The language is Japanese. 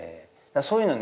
そういうのね